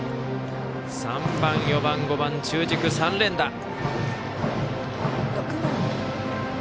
３番、４番、５番、中軸、３連打。